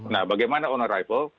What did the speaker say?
nah bagaimana on arrival